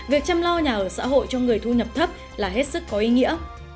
việc chăm lo nhà ở xã hội cho người thu nhập thấp là hết sức có ý nghĩa